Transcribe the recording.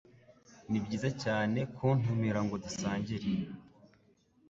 Nibyiza cyane kuntumira ngo dusangire.